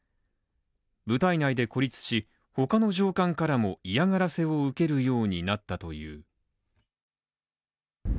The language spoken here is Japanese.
部隊内で孤立し、他の上官からも嫌がらせを受けるようになったという。